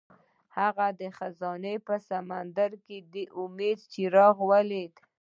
هغه د خزان په سمندر کې د امید څراغ ولید.